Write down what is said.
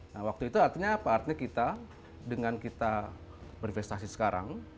nah waktu itu artinya apa artinya kita dengan kita berprestasi sekarang